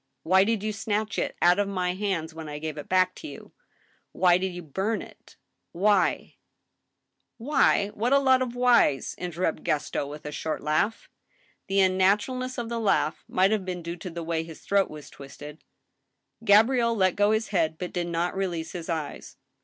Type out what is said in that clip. Why did you snatch it out of my hands when I gave it back to you ? Why did you bum it? Why—" " Why, what a lot of whys !" interrupted Gaston, with a short laugh. The unnaturalness of the laugh might have been due to the way his throat was twisted. Gabrielle let go his head, but did not release his eyes.